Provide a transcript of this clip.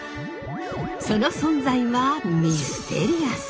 その存在はミステリアス！